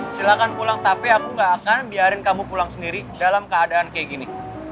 silahkan pulang tapi aku gak akan biarin kamu pulang sendiri dalam keadaan kayak gini